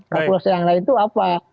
kalkulasi yang lain itu apa